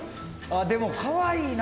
でもかわいいな。